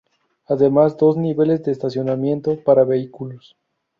Además, dos niveles de estacionamiento para vehículos.